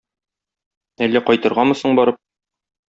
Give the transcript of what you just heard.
Әллә кайтыргамы соң барып?